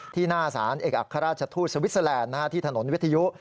หน้าสารเอกอัครราชทูตสวิสเตอร์แลนด์ที่ถนนวิทยุ